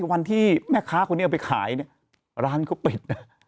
วันที่แม่ค้าคนนี้เอาไปขายเนี่ยร้านเขาปิดนะ